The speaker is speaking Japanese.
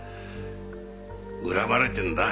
恨まれてるんだ。